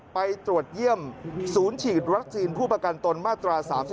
ไปตรวจเยี่ยมศูนย์ฉีดวัคซีนผู้ประกันตนมาตรา๓๔